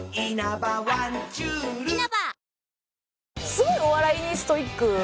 すごいお笑いにストイック。